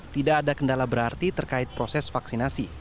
tidak ada kendala berarti terkait proses vaksinasi